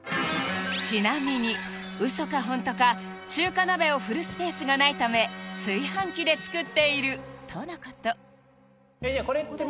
ちなみにウソかホントか中華鍋を振るスペースがないため炊飯器で作っているとのこと